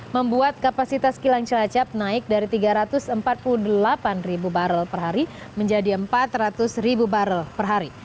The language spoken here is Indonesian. membuat kapasitas kilang celacap naik dari tiga ratus empat puluh delapan ribu barrel per hari menjadi empat ratus ribu barrel per hari